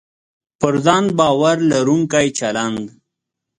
پر ځان باور لرونکی چلند